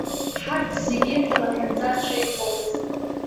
Ҳарҭ зегьы ҳлахьынҵа ҽеихомызт.